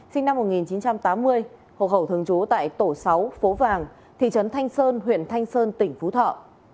sinh năm một nghìn chín trăm tám mươi hộ khẩu thường trú tại tổ sáu phố vàng thị trấn thanh sơn huyện thanh sơn tỉnh phú thọ